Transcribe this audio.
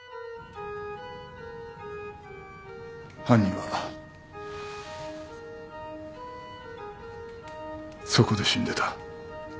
犯人はそこで死んでた。